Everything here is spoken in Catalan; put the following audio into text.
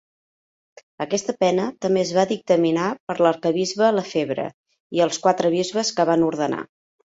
Aquesta pena també es va dictaminar per l'arquebisbe Lefebvre i els quatre bisbes que van ordenar.